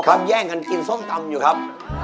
แย่งกันกินส้มตำอยู่ครับ